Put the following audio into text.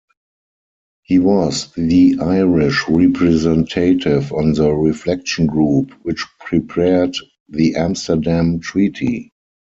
He was the Irish Representative on the Reflection Group which prepared the Amsterdam Treaty.